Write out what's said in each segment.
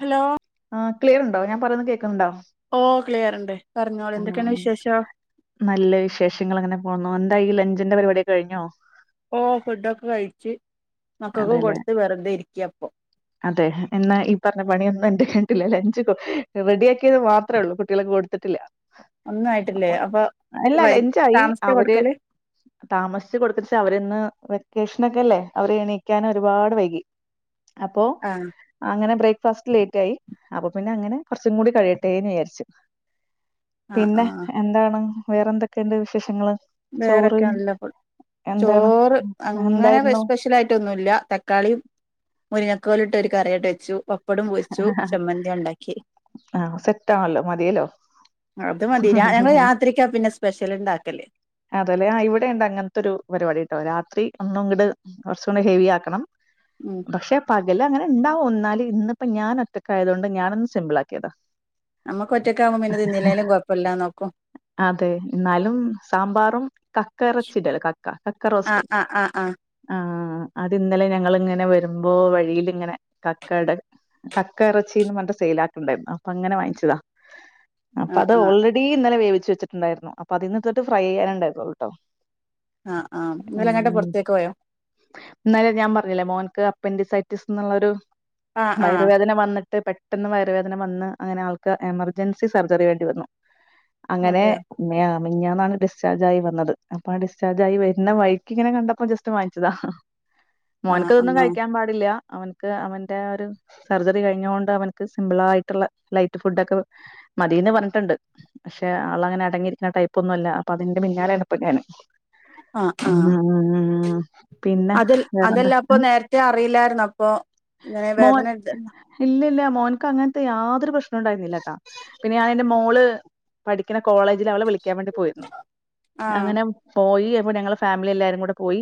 Hello ആഹ് clear ഉണ്ടോ ഞാൻ പറയന്ന് കേക്കുന്നുണ്ടോ ഓഹ് ക്ലിയർണ്ട് പറഞ്ഞോളി ആഹ് എന്തൊക്കെയാണ് വിശേഷോം നല്ല വിശേഷങ്ങള് അങ്ങനെ പോന്നു എന്തായി ലഞ്ചിന്റെ പരിപാടിക്കെ കഴിഞ്ഞോ ഓഹ് ഫുഡൊക്കെ കഴിച്ച് അതെല്ലേ മക്കക്കുംകൊടുത്ത് വെറുതെ ഇരിക്കപ്പൊ അതെ എന്നാ ഈ പറഞ്ഞ പണിയൊന്നും എന്റെ കയ്ഞ്ഞിട്ടില്ല ലഞ്ച് റെഡിയാക്കിയത് മാത്രേ ഉള്ളൂ കുട്ടികൾ കൊടുത്തിട്ടില്ല ഒന്നും ആയിട്ടില്ലേ അപ്പൊ അല്ല വൈ ലഞ്ചായി താമസിച്ചാ അവര് കൊടുക്കല് താമസിച്ച് കൊടുക്കവച്ച അവരിന്ന് വെക്കേഷനൊക്കെല്ലേ അവര് എണീ ക്കാൻ ഒരുപാട് വൈകി അപ്പോ ആഹ് അങ്ങനെ ബ്രേക്ക്ഫാസ്റ്റ് ലേറ്റ് ആയി അപ്പൊ പിന്നെ അങ്ങനെ കുറച്ചും കൂടി കഴിയട്ടേന്ന് വിചാരിച്ചു ആഹ് പിന്നെ ആഹ് എന്താണ് വേറെന്തൊക്കെണ്ട് വിശേഷങ്ങള് ചോറ് വേറക്കെയല്ലഫുഡ് എന്താണ് ചോറ് അങ്ങനെ എന്തായിരുന്നു സ്പെഷ്യൽ ആയിട്ടൊന്നുല്ല ത തക്കാളി മുരിങ്ങക്കോലിട്ട് ഒരു കറിയണ്ട് വെച്ചു പ്പടും പൊരിച്ചു ചമ്മന്തിണ്ടാക്കിയെ ആഹ് സെറ്റാണല്ലോ മതിയല്ലോ അത് മതി ഞങ്ങള് രാത്രിക്കാ പിന്നെ സ്പെഷ്യൽ ഇണ്ടാക്കല് അതല്ലെ ആ ഇവിടെണ്ട് അങ്ങനത്തെരു പരിപാടിട്ടോ രാത്രി ഒന്നും ഇങ്ങട് കുറച്ചുടെ ഹെവി ആക്കണം ഉം പക്ഷെ പകല അങ്ങനെ ഇണ്ടാവും ഇന്നാല് ഇന്നിപ്പോ ഞാൻ ഒറ്റക്ക ആയതോണ്ട് ഞാനൊന്ന് സിമ്പിൾ ആക്കിയതാ നമ്മുക്ക് ഒറ്റക്കാവുമ്പോ പിന്നെ തിന്നില്ലേലും കുഴപ്പമില്ലാന്ന് നോക്കും അതെ എന്നാലും സാമ്പാറും കക്ക ഇറച്ചിടല്ല കക്ക കക്ക ആഹ് റോസ്റ്റും ആഹ് ആഹ് ആഹ് ആഹ് അത് ഇന്നലെ ഞങ്ങളിങ്ങനെ വരുമ്പോ വഴിയിലിങ്ങനെ കക്കട കക്ക എറച്ചീന്ന് പറഞ്ട്ട് സെയിലാക്ക്ണ്ടായിരുന്നു അപ്പൊ അങ്ങനെ വാങ്ങിച്ചതാ അപ്പൊ ആഹ് അത് ആഹ് ഓൾറെഡി ഇന്നലെ വേവിച്ചച്ച് വെച്ചിട്ടുണ്ടായിരുന്നു അപ്പൊ അതിന്ന് ട്ട് ഫ്രൈനണ്ടായിരുന്നുള്ളുട്ടോ ആഹ് ആഹ് നിങ്ങലെങ്ങോട്ട് പുറത്തേക്ക് പോയോ ഇന്നലെ ഞാൻ പറഞ്ഞില്ലേ മോൻക്ക് അപ്പൻഡസൈറ്റിസ് എന്നുള്ളരു ആഹ് ആഹ് വയറുവേദന വന്നിട്ട് പെ പെട്ടെന്ന് വയറ് വേദന വന്ന് അങ്ങനെ ആൾക്ക് എമർജൻസി സർജറി വേണ്ടി വന്നു അങ്ങനെ ആഹ് ഇമ്മേ ആഹ് മിഞ്ഞാന്നാണ് ഡിസ്ചാർജ് ആയി വന്നത് അപ്പ ആഹ് ഡിസ്ചാർജ് ആയി വര്ണ വഴിക്കിങ്ങനെ കണ്ടപ്പോ ജസ്റ്റ് വാങ്ങിച്ചതാ മോൻക്കതൊന്നും ആഹ് കഴിക്കാൻ പാടില്ല അവൻക്ക് അവന്റെ ഒരു സർജറി കഴിഞ്ഞൊണ്ട് അവൻക്ക് സിമ്പിൾ ആയിട്ടുള്ള ലൈറ്റ് ഫുഡ് ഒക്കെ മതിന്ന് പറഞ്ഞിട്ടുണ്ട് പക്ഷെ ആളങ്ങനെ അടങ്ങിയിരിക്കുന്ന ടൈപ്പൊന്നല്ല പ്പഅതിന്റെ പിന്നാലെഏണ് പ്പഞാന് ആഹ് ആഹ് പിന്നെ അതൽ വേറെന്താ അതെല്ലാപ്പാേ നേര്ത്തെ അറിയില്ലായിര്ന്നപ്പോ ഇങ്ങനെ മോൻ വേദനല്ലന്നോ ഇല്ല ഇല്ല മോൻക്ക് അങ്ങൻത്തെ യാതൊരു പ്രശ്നോം ഇണ്ടായിരിന്നില്ലട്ടാ പിന്നെ ഞാനന്റെ മോള് പഠിക്ക്ണ കോളേജില് അവളെ വിളിക്കാൻ വേണ്ടി പോയിരുന്നു ആഹ് അങ്ങനെ പോയീ അപ്പ ഞങ്ങള് ഫാമിലി എല്ലാരും കൂടെ പോയി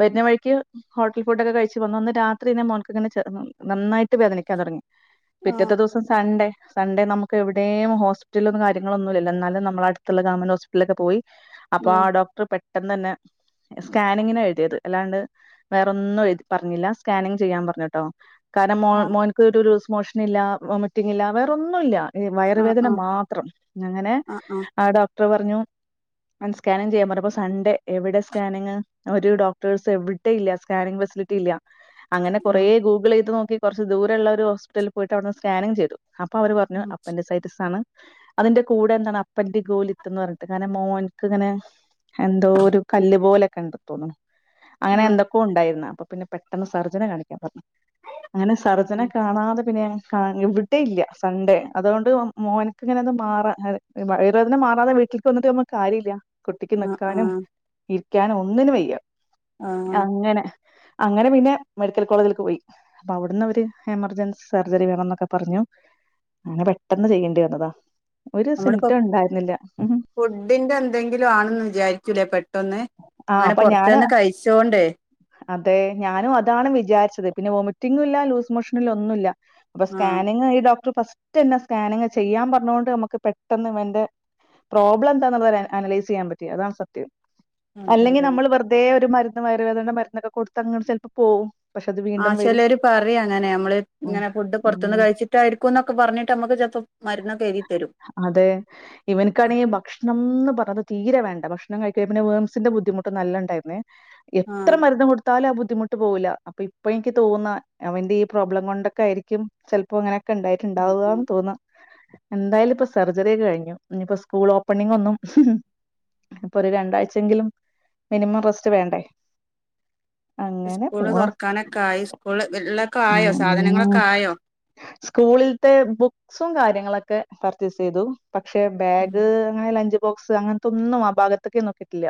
വര്ഞ്ഞ വഴിക്ക് ഹോട്ടലി ഫുഡൊക്കെ കഴിച്ച് വന്നു ഒന്ന് രാത്രിനെ മോൽക്ക്ങ്ങനെ ചെർന്ന് നന്നായിട്ട് വേദനിക്കാൻ താെടങ്ങി ആഹ് പിറ്റെത്തെ ദിവസം സൺഡേ സൺഡെ നമുക്ക് എവിടെയും ഹോസ്പിറ്റലും കാര്യങ്ങളൊന്നുഇല്ലല്ലോ എന്നാലും നമ്മള അട്ത്ത്ള്ള ഗവൺമെന്റ് ഹോസ്പിറ്റൽലൊക്കെ പോയി അപ്പൊ ഉം ആ ഡോക്ടർ പെട്ടെന്നന്നെ സ്കാനിങ്ങിനാ എഴ്തേത് അല്ലാണ്ട് വേറൊന്നും എഴ് പറഞ്ഞില്ല സ്കാനിങ് ചെയ്യാൻ പറഞ്ഞ്ട്ടോ കാരണം മോൻ ആഹ് മോൻക്ക് രുരു ലൂസ് മോഷ്നില്ലാ വാെമറ്റിംഗ്ഇല്ലാ വേറൊന്നുംല്ല ഈ വയറ് ആഹ് വേദന ആഹ് മാത്രം അങ്ങനെ ആഹ് ആ ഡോക്ടറ് പറഞ്ഞൂ ആൻ സ്കാനിംഗ് ചെയ്യാൻ പറഞ് അപ്പ സൺഡ എവടെ സ്കാനിങ് ഒരു ഡോക്ടേഴ്സ് എവിടെംഇല്ല സ്കാനിങ് ഫെസിലിറ്റി ഇല്ല അങ്ങനെ കാെറേ ആഹ് ഗൂഗിളെയ്ത് നോക്കി കാെറച്ച് ദൂരള്ള ഒരു ഹോസ്പിറ്റല്ല് പോയിട്ട് അവിട്ന്ന് സ്കാനിങ് ചെയ്തു അപ്പൊ അവര് പറഞ്ഞു അപ്പന്റെസൈറ്റെസ് ആണ് അതിന്റെ കൂടെ എന്താണ് അപ്പന്റിഗോലിത്ത് ന്ന് പറഞ്ഞിട്ട് കാരണം മോൻ ക്ക് ഇങ്ങനെ എന്തോ ഒരു കല്ല് പോലൊക്കെ ഇണ്ട് തോന്നുണു ആഹ് അങ്ങനെ ആഹ് എന്തക് ക്കോ ഇണ്ടായിര്ന്ന് അപ്പ പിന്നെ പെട്ടെന്ന് സർജനെ കാണിക്കാൻ പറഞ്ഞ് അങ്ങനെ സർജനെ കാണാതെ പിന്നെ ഞങ് ക്കാന് എവ്ടെം ഇല്ല സൺഡേ അതുകൊണ്ട് ഒം മോൻക്ക് ഇങ്ങനെ മാറാ വയറ് വേദന മാറാതെ വീട്ട് ക്ക് വന്നിട്ട് നമ്മക് കാര്യല്ല കുട്ടിക്ക് ആഹ് ന്ന്‌ക്കാനും ആഹ് ഇരിക്കാനും ഒന്നിനും വയ്യ ആഹ് അങ്ങനെ അങ്ങനെ പിന്നെ മെഡിക്കൽ കോളേജിലേക്ക് പോയി അപ്പ അവിട്ന്നഅവര് എമർജൻസ് സർജറി വേണം ന്നൊക്കെ പറഞ്ഞു അങ്ങനെ പെട്ടെന്ന് ചെയ്യേണ്ടി വന്നതാ ഒരു നമ്മളിപ്പോ സിംറ്റം ഉണ്ടായിരുന്നില്ല ഫുഡിന്റെ എന്തെങ്കിലും ആണെന്ന് വിചാരിച്ചുലെ പെട്ടന്ന് ആ അങ്ങനെ അപ്പൊ ഞാന് പാെറത്ത്ന്ന് കഴിച്ചോണ്ടേ അതെ ഞാനും അതാണ് വിചാരിച്ചത് പിന്നെ വൊമിറ്റിങ്ങും ഇല്ല ലൂസ് മോഷനുല്ല ഒന്നുല്ല അപ്പ ആഹ് സ്കാനിങ് ഈ ഡോക്ടറ് ഫസ് റ്റന്നെ സ്കാനിങ്ങ് ചെയ്യാൻ പറഞ്ഞാേണ്ട് നമ്മക്ക് പെട്ടന്ന് ഇവന്റെ പ്രോബ്ളം എന്താണ്ള്ളതരു അ അനലൈസെയ്യാൻ പറ്റി അതാണ് സത്യം അതെ അല്ലെങ്കി അതെ നമ്മള് വെർതെ തെ ഒരു മരുന്ന് വയറുവേദനന്റെ മരുന്നൊക്കെ കൊടുത്ത് അങ്ങനെൻ ചെലപ്പോ പോവും പക്ഷെ അത് വീണ്ടും ആഹ് വരും ചെലെര് പറയിം അങ്ങനെ നമ്മള് ഉം ഇങ്ങനെ ഫുഡ് പാെറത്ത്ന്ന് ഉം കഴിച്ചിട്ട് ട്ടായിരിക്കുംന്നൊക്കെ പറഞ്ഞിട്ട് അമ്മക്ക് ചെൽപ്പോം മര്ന്നൊക്കെ എഴ്തി തരും അതെ ഇവൻക്കാണെങ്കി ഭക്ഷണംന്ന് പർഞ്ഞത് തീരെ വേണ്ട ഭക്ഷണം കഴിക്കെയ് പിന്നെ വേംസിന്റെ ബുദ്ധിമുട്ട് നല്ലണ്ടായിര്ന്നേ എത്ര ആഹ് മരുന്ന് കൊടുത്ത് ത്താലും ആ ബുദ്ധിമുട്ട് പോവൂല്ല അപ്പൊ ഇപ്പ എൻക്ക് തോന്നാ അവന്റെ ഈ പ്രോബ്ലം കൊണ്ടൊക്കെ ആയിരിക്കും ചെൽപ്പോ ങ്ങനെ ക്കെ ആഹ് ആഹ് ഇണ്ടായിട്ട്ണ്ടാവാന്ന് തോന്നാ എന്തായാലും ഇപ്പൊ സെർജറിയാ കഴിഞ്ഞു ഇഞ്ഞിപ്പോ സ്കൂള് ഓപ്പണിംഗ് ഒന്നും ഇപ്പൊ ഒരു രണ്ടാഴ്ചെങ്കിലും മിനിമം റെസ്റ്റ് വേണ്ടേ അങ്ങനെ സ്കൂള് പോണു താെറക്കാനെക്കെ ആയി സ്കൂള് ഇല്ലാെക്കെ ആയോ സാധനങ്ങളൊക്കെ ആയോ സ്കൂളിൽത്തെ ബുക്സും കാര്യങ്ങളൊക്കെ പർച്ചേസ് ചെയ്തു പക്ഷെ ബാഗ് അങ്ങനെ ലഞ്ച് ബോക്സ് അങ്ങൻ ത്തൊന്നും ആ ഭാഗത്ത്ക്കെ ന്നോക്കീട്ടില്ല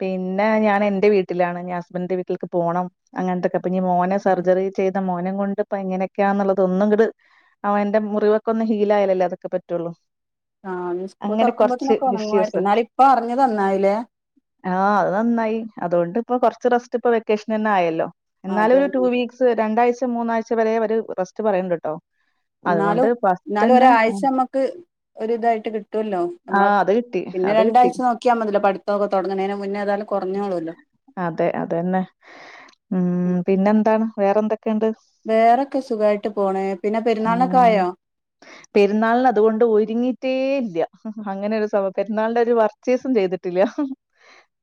പിന്നെ ഞാനന്റെ വീട്ടിലാണ് ഞ്ഞി ഹസ്ബൻന്റെ വീട്ടിൽക്ക് പോണം അങ്ങൻതൊക്കെ അപ്പ ന്നി മോനെ സർജറി ചെയ്ത മോനെംകൊണ്ട് ഇപ്പ എങ്ങനെക്ക്യാന്ന്ള്ള തൊന്നും ങ്ങട് അവന്റെ മുറിവൊക്ക ഒന്ന് ഹീലായാലല്ലേ അതൊക്കെ പറ്റാെള്ളൂ ആഹ് ഞ് സ്കൂള് താെറക്കുമ്പോത്തിനൊക്കെ ഒണങ്ങാേയിരിക്കും ഇഷ്യൂസ് ഇന്നാലും ഇപ്പ അർഞ്ഞത് ന്നന്നായിലേ ആഹ് അഅ് നന്നായി അതോണ്ട് ഇപ്പം കൊറച്ച് റസ്റ്റ് ഇപ്പ വെക്കേഷൻന്ന് ആയല്ലോ എന്നാലും അതെ ഒരു ടൂ വീക്ക് ക്ക്സ് രണ്ടാഴ്ച മൂന്നാഴ്ച വരെ അവര് റസ്റ്റ് പറീണ്ട് ട്ടോ അതുകൊണ്ട് ഇന്നാലും ഇന്നാലും ഫസ്റ്റന്നെ ഒരാഴ്ച അമ്മക്ക് ഒരു ഇതായിട്ട് കിട്ടൊല്ലോ ആ എന്നാല് അത് കിട്ടി പിന്നെ അത് കിട്ടി രണ്ടഴ്ച നോക്കിയാമതിയല്ലോ പഠിത്തമൊക്കെ തുടങ്ങണേ മുന്നേതന്നെ കുറഞ്ഞോളൂ അതെ അതെന്നെ ഉം പിന്നെ എന്താണ് വേറെ എന്തൊക്കെയുണ്ട് വേറൊക്കെ സുഖായിട്ട് പോണേ പിന്നെ പെരുന്നാളിനൊക്കെ ആയോ പെരുന്നാളിനു അതുകൊണ്ട് ഒരുങ്ങിട്ടേയില്ല അങ്ങനെ ഒരു സഭ പെരുന്നാളിന്റെ ഒരു സീസം ചെയ്തിട്ടില്ല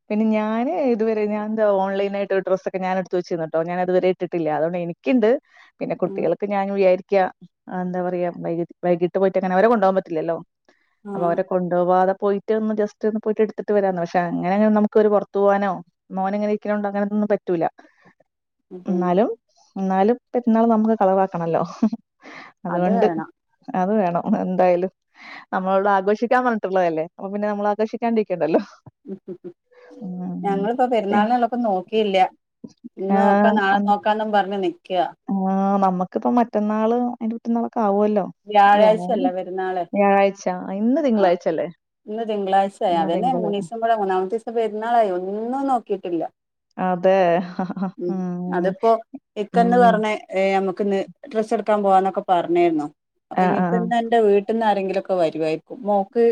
പിന്നെ ഞാന് ഇതുവരെ ഞാ എന്ത ഓൺലൈനായിട്ട് ഡ്രസൊക്കെ ഞാൻ എടുത്ത് വെച്ചിരുന്നുട്ടോ ഞാനതുവരെ ഇട്ടിട്ടില്ല അതുകൊണ്ട് എനിക്കണ്ട് പിന്നെ കുട്ടികൾക്ക് ഞാൻ വിചാരിക്ക എന്താ പറയാ വൈ വൈകിട്ട് പോയിട്ട് അങ്ങനെ അവരെ കൊണ്ടു പോകാൻ പറ്റില്ലല്ലോ ആ അപ്പൊ അവരെ കൊണ്ടുപോവാതെ പോയി ട്ട് ഒന്ന് ജസ്റ്റ് ഒന്ന് പോയിട്ട് എടുത്തിട്ട് വരാന്ന് പക്ഷെ അങ്ങനെങ്ങനെ നമുക്ക് ഒന്ന് പുറത്ത് പോകാനോ മോനിങ്ങനെ ഇരിക്കണണ്ടോ അങ്ങനന്നൊന്നും പറ്റൂല അതന്നെ എന്നാലും എന്നാലും പെരുന്നാളു നമുക്ക് കളറാക്കണല്ലോ അത് അതുകൊണ്ട് വേണം അത് വേണം അതു എന്തായാലും നമ്മളോട് ആഘോഷിക്കാൻ പറഞ്ഞിട്ടുള്ളതല്ലേ അപ്പൊ പിന്നെ നമ്മൾ ആഘോഷിക്കാണ്ടിരിക്കണ്ടല്ലോ ഉ ഉം ഞങ്ങളിപ്പോ പെരുന്നാളിനുള്ളത് നോക്കിയില്ല ഇന്ന് നോക്ക നാളേ ക്കാന്നും പറഞ്ഞ നിക്കുവാ ആ് നമുക്കിപ്പ മറ്റന്നാള് അതിന്റെ മറ്റന്നാളൊക്കെ ആവുമല്ലോ വ വ്യാഴാഴ്ചയല്ലേ പെരുന്നാള് വ്യാഴാഴ്ച ഇന്ന് ആ തിങ്കളാഴ്ചല്ലേ ഇന്ന് തിങ്കളാഴ്ച ആയി ഇന്ന് അതന്നെ തിങ്കള് മൂന്ന് ദിവസ മൂന്നാമത്തെ ദിവസം പെരുന്നളായിഒന്നും നോക്കിയിട്ടില്ല അതെ ഉം ഉ ഉം ഏ നമക്ക് ഡ്രസ്സ് എടുക്കാൻ പോവാന്നൊക്കെ പറഞ്ഞായിരുന്നു അപ്പൊ ആഹ് ആഹ് ഇനിയിപ്പന്ന് എന്റെ വീട്ടിൽ നിന്ന് ആാരങ്കിലുംക്കെ വരുവായിരിക്കും മോക്ക്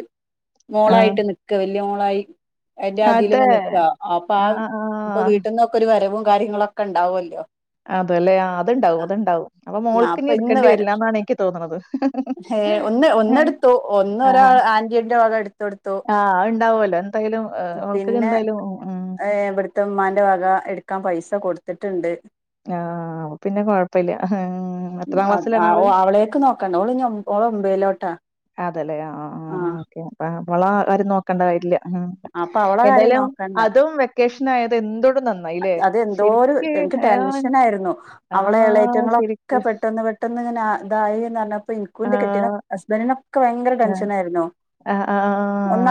ആഹ് മോളായിട്ട് നിക്ക വലിയ മോളായി എന്റെ അത് അതിൽങ്ങനെ നിക്ക അപ്പൊ ആ ആഹ് ആഹ് ഇപ്പൊ വീട്ടിൽന്നൊക്കെ ഒരു വരവും കാര്യങ്ങളുംക്കെ ഉണ്ടാവുമല്ലോ അതെല്ലെ അതുണ്ടാവും അത്ണ്ടാവും അപ്പൊ എന്നാ മോൾക്ക് അപ്പൊ ഇനി എടുക്കേണ്ടി വരില്ല എന്നാണ് എനിക്ക് തോന്നണത് ഏ ഒന്ന് ഒന്നെടുത്തു ഒന്ന് ആഹ് ഒരാന്റിന്റെ വക എടുത്ത കൊടുത്തു ആഹ് ഉണ്ടാവുമല്ലോ എന്തെങ്കിലും ഓൾക്ക് എന്തായാലും ഓ ഉ് ഏ ഇവിടുത്തെ ഉമ്മാന്റെ വക എടുക്കാൻ പൈസ കൊടുത്തിട്ടുണ്ട് ആഹ പിന്നെ കൊഴപ്പില്ല എത്രാം ക്ലാസ്സിലാണ് ആള് അവളേക്ക് നോ ഓള ഓള മമ്പേലോട്ടാ [unintelligible] അതെല്ലെ ആ ആ ഓക്കെ അവളെ കാര്യം നോക്കണ്ട കാര്യല്ല ഉ അപ്പൊ അവളെ കാര്യം എന്തായാലും നോക്കണ്ട അതും വെക്കേഷനും ആയത് എന്തുകൊണ്ടും നന്നായി അത് എന്തോ ഒരു എനിക്ക് ടെൻഷനായിരുന്നു അവളെ ആഹ് ഇളയറ്റങ്ങളൊക്കെ ശരിക്ക് പെട്ടന്ന് പെ പെട്ടെന്ന് ഇങ്ങനെ ഇതായിന്ന് പറഞ്ഞപ്പോ എനക്കും എന്റെ കെട്ടിയോനും ആഹ് ഹസ്ബൻഡിനോക്കെ ഭയങ്കര ടെൻഷൻ ആയിരുന്നു ആഹ് ആഹ്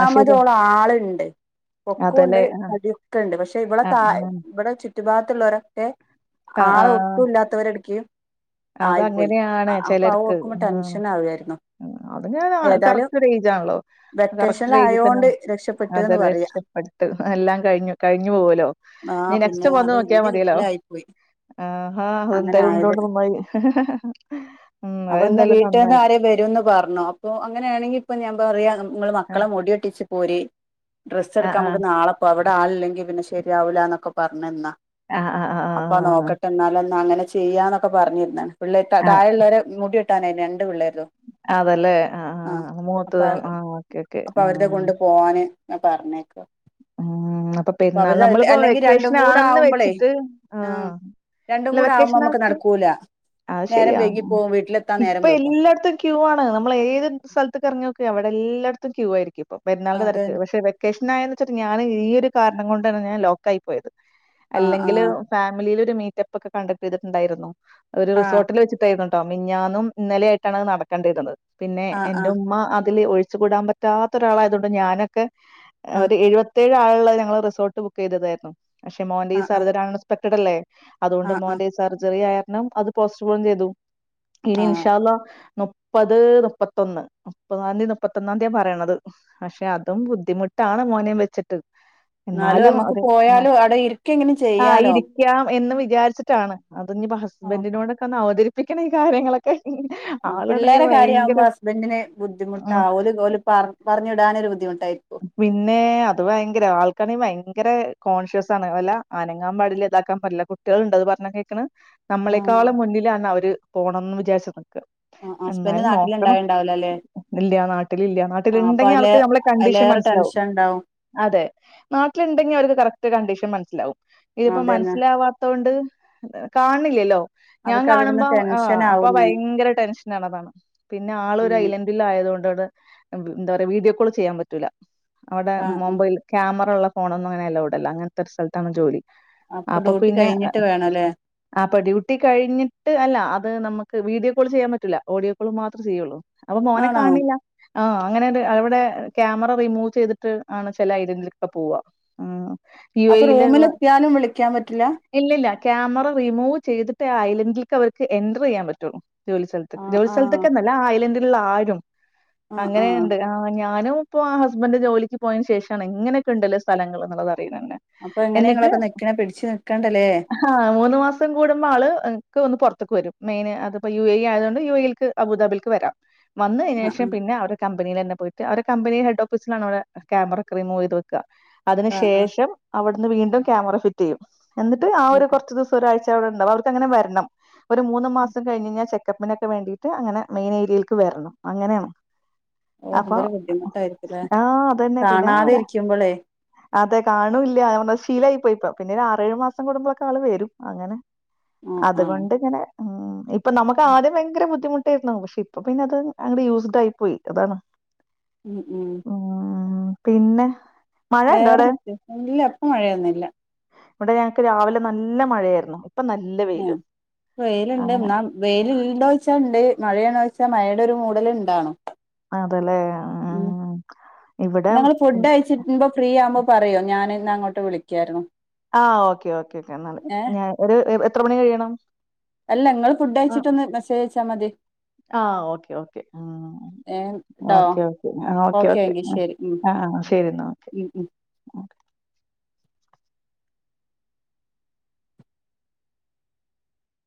ആഹ് ശരി ആളുണ്ട് പൊക്കണ്ട് അതല്ലേ ആഹ് മുടിയൊക്കെ ഉണ്ട് പക്ഷെ ഇവടെ താ ആഹ് ഇവിടെ ചുറ്റു ഭാഗത്തുള്ളവരൊക്കെ ആഹ് ആളെ ആഹ് ഒന്നുമില്ലാത്തവരെ എടുക്കയും അതങ്ങനെയാണ് ചിലർക്ക് ആ ടെൻഷൻ ആവുമായിരുന്നു അത് ഞാൻ ഏതായാലും കറക്റ്റ് ഒരു ഏജാണല്ലോ വെക്കേഷനിൽ കറക്റ്റ് ഏജിൽ തന്നെ ആയോണ്ട് അത് രക്ഷപ്പെട്ട്ന്ന് പറയാ രക്ഷപ്പെ ട്ട് എല്ലാം കഴിഞ്ഞു കഴിഞ്ഞു പോവുലോ ആ നീ നെക്സ്റ്റ് പിന്നെ വന്ന് അത് നോക്കിയാ വല്യ മതിയല്ലോ കിട്ടലായി പോയി ആ ഹാ അതെന്ത് അങ്ങനെ ആയത് കൊണ്ടും നന്നായി ഉം അത് എന്താലും നന്നായി വരുന്ന് പറഞ്ഞു അപ്പൊ അങ്ങനെയാണെങ്കി ഇപ്പൊ ഞാൻ പറയാണ് നിങ്ങള് ആഹ്. മക്കളെ മുടി വെട്ടിച്ച് പോരിൻ ഡ്രസ്സ് ആഹ് എടുക്കാൻ ആഹ്. നമുക്ക് നാളെപ്പോ അവിടെ ആളില്ലെങ്കി പിന്നെ ശെരിയാവൂലന്നൊക്കെ പറഞ്ഞ് എന്നാ ആഹ് ആഹ ആ് അപ്പൊ നോക്കട്ട് എന്നാലും ഒന്ന് അങ്ങനെ ചെയ്യാന്നൊക്കെ പറഞ്ഞിരുന്നാ പിള്ളേ ആഹ്. താഴെയുള്ളവരെ മുടി ട്ടാനെ രണ്ട് പിളെരും അതല്ലേ. ആഹ് ആം ആഹ്. അപ്പൊ മൂത്തത് വര് ആഹ് ഓക്കെ ഓക്കെ. അപ്പൊ അവരുടെ ആഹ്. കൊണ്ട് പോവാന് പറഞ്ഞേക്ക് ഉം അപ്പൊ പെരുന്നാളിന്ന് നമ്മള് പോയെ അല്ലെങ്കിൽ രണ്ടും കൂടെ വെക്കേഷനാണെന്ന് ആവുമ്പളേ വെച്ചിട്ട് ആ ആഹ് രണ്ടും അല്ല കൂടെ ആവുമ്പോ നമുക്ക് വെക്കേഷന്നാത്ത് നടക്കൂല അത് നേരം ശെരിയാ വൈകി പോവും വീട്ടിലെത്താൻ നേരം ഇപ്പം എല് വൈകും ല്ലാടത്തും ക്യൂ ആണ് നമ്മൾ ഏത് സ്ഥലത്തേക്ക് ഇറങ്ങി നോക്ക് അവിടെ എല്ലായിടത്തും ക്യൂ ആയിരിക്കും ഇപ്പം പെരുന്നാളിൻ്റെ അതന്നെ തെരക്ക് പക്ഷെ വെക്കേഷനായെന്ന് വെച്ചിട്ട് ഞാന് ഈ ഒരു കാരണം കൊണ്ടാണ് ഞാൻ ലോക്കായി പോയത് ആഹ് അല്ലെങ്കില് ഫാമിലീല് ഒരു മീറ്റപ്പൊക്കെ കണ്ടക്റ്റ് ചെയ്തിട്ടുണ്ടായിരുന്നു ഒരു ആഹ് റിസോർട്ടില് വെച്ചി ന്നൂട്ടോ മിനിഞ്ഞാന്നും ഇന്നലെ ആയിട്ടാണ് അത് നടക്കേണ്ടിരുന്നത് പിന്നെ ആഹ് എന്റെ ആഹ് ഉമ്മ അതിൽ ഒഴിച്ചു കൂടാൻ പറ്റാ പറ്റാത്ത ഒരാളായതുകൊണ്ട് ഞാനൊക്കെ ആഹ് ഒരു എഴുപത്തേഴ് ആളുള്ളത് ഞങ്ങൾ റിസോർട്ട് ബുക്ക് ചെയ്തതായിരുന്നു പക്ഷെ മോന്റെ ഈ ആഹ് ആഹ് സർജറി അൺ എക്സ്പക്റ്റഡല്ലേ ആഹ് അതുകൊണ്ട് ആഹ് ആഹ് മോന്റെ സർജറി ആയാരണം അത് പോസ്റ്റ് പോണും ചെയ്തു ഇനി ആഹ് ഇൻഷാള്ള മു മുപ്പത് മുപ്പത്തൊന്ന് മുപ്പതാം തീ മുപ്പത്തൊന്നാം തീയ പറയണത് പക്ഷെ അതും ബുദ്ധിമുട്ടാണ് മോനേം വെച്ചിട്ട് എന്നാലും നമ്മക്ക് അത് പോയാലും അവിടെ ഇരിക്കെങ്കിലും ആഹ് ചെയ്യാലോ ഇരി ക്കാം എന്ന് വിചാരിച്ചിട്ടാണ് അത് നിയിപ്പോ ആഹ് ഹസ്ബൻറിനോടൊക്കെ ഒന്ന് അവതരിപ്പിക്കണം ഈ കാര്യങ്ങളൊക്കെ ഉം ആളാണെങ്കിൽ പിള്ളേരെ ഭയങ്കര കാര്യാവുമ്പോ ഹസ്ബന്റിന് ഉം, ബുദ്ധിമുട്ടാ ഓല് കോല് പാ പറഞ്ഞു വിടാനൊരു ബുദ്ധിമുട്ടായി പിന്നെ അത് ഭയങ്കര ആൾക്കാണെങ്കിൽ ഭയങ്കര കോൺഷ്യസ് ആണ് വല്ല അനങ്ങാൻ പാടില്ലാത്ത ഇതാക്കാൻ പറ്റി കുട്ടികൾ ഉണ്ടത് പറഞ്ഞാ കേൾക്കണ് ആഹ് നമ്മളെക്കാള് മുന്നിലാണ്. അവര് പോണെന്ന് വിചാരിച്ചത് നിക്കണെ ആഹ് ഹസ്ബൻഡ് എന്നാലും നോക്കണം നാട്ടിലുണ്ടായിണ്ടാവൂലല്ലേ ഇല്യ നാട്ടിൽ ഇല്യ നാട്ടിൽ ആഹ് അപ്പൊ ഇണ്ടെങ്കി അതില് ആൾക്ക് ഞമ്മളെ കണ്ടീഷ് അതിലേറെ ലാവും ടെൻഷൻ ഉണ്ടാവും അതെ നാട്ടിലുണ്ടെങ്കി അവർക്ക് കറക്റ്റ് കണ്ടീഷൻ മനസ്സിലാവും ഇതിപ്പോ അതന്നെ മനസ്സിലാവാത്തൊണ്ട് കാണണില്ലല്ലോ ഞാൻ അവർക്ക് അതിരുന്ന് കാണുമ്പോ ടെൻഷൻ അപ്പൊ ആവുന്നേ ഭയങ്കര ടെൻഷനാണ് അതാണ് പിന്നെ ആളൊരു ഉം ഐലെൻ ഡിലായതുകൊണ്ടവിടെ എന്താ പറയാ വീഡിയോ കോൾ ചെയ്യാൻ പറ്റൂല്ല അവിടെ ആഹ് ആഹ് മൊബൈ ക്യാമറ ഉള്ള ഫോണൊന്നും അങ്ങനെ അലൗഡല്ല അങ്ങനത്തെ ഒരു സ്ഥലത്താണ് ജോലി അപ്പൊ ഡ്യൂട്ടി പിന്നെ കഴിഞ്ഞിട്ട് വേണല്ലേ അപ്പൊ ഡ്യൂട്ടി കഴിഞ്ഞിട്ട് അല്ല അത് നമുക്ക് വീഡിയോ കോൾ ചെയ്യാൻ പറ്റൂല്ല ഓഡിയോ കോൾ മാത്രേ ചെയ്യുള്ളൂ അപ്പൊ മോനെ ആണോ കാണണില്ല ആഹ് അങ്ങനെ അത് അവിടെ ക്യാമ റിമൂവ് ചെയ്തിട്ട് ആണ് ചെല ഐലൻഡിലൊക്കെ പോവുക അപ്പൊ റൂമിലെത്തിയാലും വിളിക്കാൻ പറ്റില്ല ഇല്ലില്ല ക്യാമറ റിമൂവ് ചെയ്തിട്ടേ ആ ഐലൻഡിൽക്ക് അവർക്ക് എന്ററ് ചെയ്യാൻ പറ്റുള്ളൂ ജോലിസ്ഥലത്ത് ആഹ് ജോലി ആഹ് സ്ഥലത്തൊക്കെന്നല്ല ആ ഐലൻഡിലുള്ള ആരും ആഹ് അങ്ങനെ ആഹ് ഉണ്ട് ആഹ് ഞാനും ഇപ്പോ ആ ഹസ്ബൻഡ് ജോലിക്ക് പോയതിന് ശേഷമാണ് ഇങ്ങനൊക്കെ ഉണ്ടല്ലോ സ്ഥലങ്ങൾ എന്നുള്ളത് അറിയുന്ന തന്നെ അപ്പൊ എങ്ങനെ എന്നിട്ട് നിങ്ങളൊക്കെ നിക്ക്വ പിടിച്ച് നിക്കണ്ടല്ലേ ആഹ് മൂന്ന് മാസം കൂടുമ്പോ ആള് എൻക്ക് ഒന്ന് പുറത്തേക്ക് വരും മെയിന് അത്പ്പോ യു എ ഇ ആയത് കൊണ്ട് യു എ യിൽക്ക് അബുദാബിൽക്ക് വരാം വന്നുകഴിഞ്ഞ ആ ശേഷം പിന്നെ അവരെ കമ്പനീൽ തന്നെ പോയിട്ട് അവരെ കമ്പനി ഹെഡ്ഡോഫീസിലാണ് അവിടെ ക്യാമറ ഒക്കെ റിമൂവ് ചെയ്ത് വെക്കുക അതിന് ആ ആ ആ ശേഷം അവിടുന്ന് വീണ്ടും ക്യാമറ ഫിറ്റ് ചെയ്യും എന്നിട്ട് ആ ഒരു കുറച്ച് ദിവസം ഒരാഴ്ച അവിടെ ഉണ്ടാവും അവർക്ക് അങ്ങനെ വരണം ഒരു മൂന്ന് മാസം കഴിഞ്ഞ്ഞാ ചെക്കപ്പിനൊക്കെ വേണ്ടിയിട്ട് അങ്ങനെ മെയിൻ ഏരിയേൽക്ക് വരണം അങ്ങനെയാണ് ഓ അപ്പൊ എന്തൊരു ബുദ്ധിമുട്ടായിരിക്കൂല്ലേ ആഹ് അതന്നെ പിന്നെ കാണാതെ ഇരിക്കുമ്പോളേ അതെ കാണൂല്ല [unintelligible] ശീലായി പോയിപ്പം പിന്നെ ഒരു ആറേഴു മാസം കൂടുമ്പോളൊക്കെ ആള് വരും അങ്ങനെ ആ ആ അതുകൊണ്ടിങ്ങനെ നമുക്ക് ആദ്യം ഭയങ്കര ബുദ്ധിമുട്ടായിരുന്നു പക്ഷെ ഇപ്പൊ പിന്നെ അത് അങ്ങട് യൂസ്ഡ് ആയി പോയി അതാണ് ഉം ഉം ഉം പിന്നെ മഴ ഉണ്ടോ അവിടെ വേറെന്ത് വിശേഷം ഇല്ല ഇപ്പ മഴയൊന്നില്ല വ്ടെ ഞങ്ങക്ക് രാവിലെ നല്ല മഴയാരുന്നു ഇപ്പൊ നല്ല വെ ഉം വെയിലുണ്ടെന്നാ വെയ്ലിണ്ടോച്ചാണ്ട് മഴയാണോച്ചാ മഴയുടെഒരുമൂടല് ണ്ടാണോ അതല്ലെ ആഹ് ഇവിടെ ഇന്നങ്ങള് ഉം, ഫുഡ് യിച്ചിട്മ്പോ ഫ്രീ ആവുമ്പോ പറയോ ഞാനിന്നങ്ങോട്ട് വിളിക്കാരുന്നു ആഹ് ഓക്കേ ഓക്കേ ക്കേന്നാല് ഞാൻ ഒരു എത്ര മണി കയണം അല്ല ഇങ്ങള്ഫുഡ് അയച്ചിട്ടൊന്ന് മെസ്സേജ്യയിച്ചാമതി ആഹ് ഓക്കേ ഓക്കേ ഉം ഏ ട്ടോ ഓക്കേ ആ ഓക്കെ ഓക്കെ എങ്കി ശരി ഉം ആഹ് അഹ്‌ ശരിന്നാ ഓക്കെ ഉം ഉം